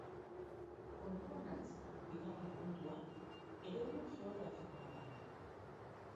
Kontuan hartzeko bigarren puntua eremu geografikoa da.